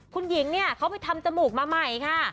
คุณหญิงเนี่ยเขาไปทำจมูกมาใหม่ค่ะ